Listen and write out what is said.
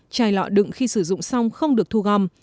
chai lọ đựng khi sử dụng xong không được thu gom